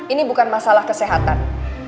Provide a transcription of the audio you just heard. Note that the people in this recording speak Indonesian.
ini bukan masalah kesehatan